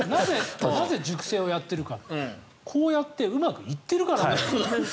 なぜ塾生をやっているかこうやってうまくいってるからなんです。